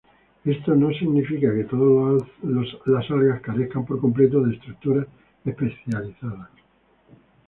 Esto no significa que todas las algas carezcan por completo de estructuras especializadas.